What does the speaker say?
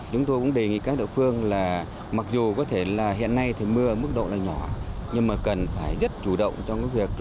chúng tôi cũng đề nghị các địa phương là mặc dù có thể là hiện nay thì mưa mức độ là nhỏ nhưng mà cần phải rất chủ động trong việc tiêu nước đệm